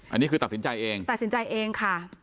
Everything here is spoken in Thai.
อันนี้คือตัดสินใจเองตัดสินใจเองค่ะ